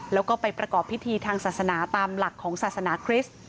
แล้วก็ไปประกอบพิธีทางศาสนาตามหลักของศาสนาคริสต์